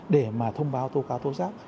để thông báo thô cáo thô giác